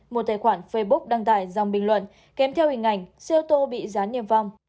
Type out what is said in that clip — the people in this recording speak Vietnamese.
một tài khoản facebook đăng tải dòng bình luận kèm theo hình ảnh xe ô tô bị gián niêm phong